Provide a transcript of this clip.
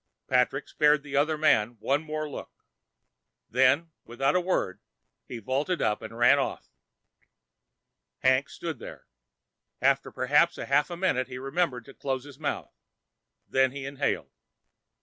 Patrick spared the other man one more look. Then, without a word, he vaulted up and ran off. Hank stood there. After perhaps a half minute he remembered to close his mouth when he inhaled.